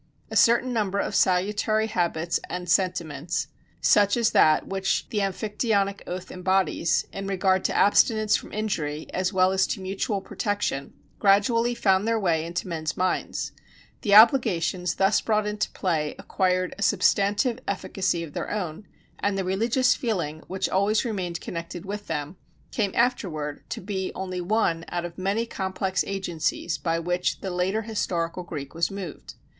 A certain number of salutary habits and sentiments, such as that which the Amphictyonic oath embodies, in regard to abstinence from injury as well as to mutual protection, gradually found their way into men's minds: the obligations thus brought into play acquired a substantive efficacy of their own, and the religious feeling which always remained connected with them, came afterward to be only one out of many complex agencies by which the later historical Greek was moved.